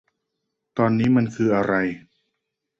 ตอนนี้มันคืออะไร